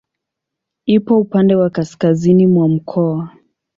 Ipo upande wa kaskazini mwa mkoa.